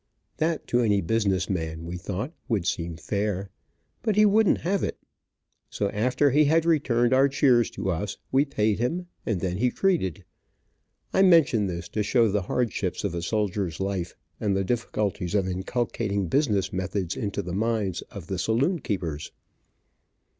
That, to any business man, we thought, would seem fair, but he wouldn't have it. So, after he had returned our cheers to us, we paid him, and then he treated. I mention this to show the hardships of a soldier's life, and the difficulties of inculcating business methods into the minds of the saloon keepers.